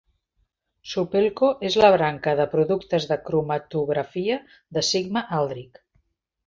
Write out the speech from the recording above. Supelco és la branca de productes de cromatografia de Sigma-Aldrich.